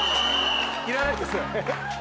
いらないですよ。